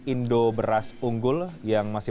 indo beras unggul yang masih